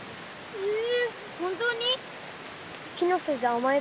うん。